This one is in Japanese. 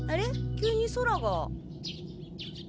急に空が。